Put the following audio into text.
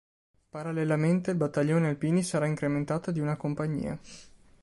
Parallelamente, il battaglione alpini sarà incrementato di una compagnia.